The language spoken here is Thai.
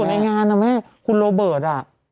ส่วนในงานคุณโรเบิร์ต